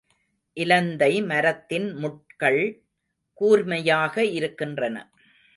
இலந்தை மரத்தின் முட்கள் கூர்மையாக இருக்கின்றன.